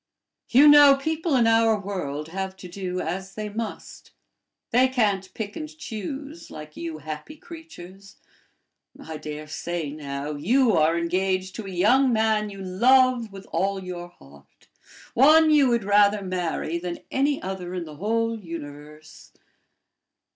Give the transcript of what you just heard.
You know, people in our world have to do as they must; they can't pick and choose like you happy creatures. I dare say, now, you are engaged to a young man you love with all your heart, one you would rather marry than any other in the whole universe."